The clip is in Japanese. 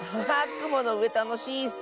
くものうえたのしいッス！